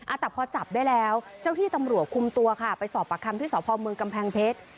อ่ะแต่พอจับได้แล้วเจ้าที่ตำรวจคุมตัวค่ะไปสอบประคำที่สพเมืองกำแพงเพชร